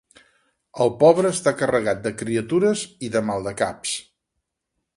El pobre està carregat de criatures i de maldecaps.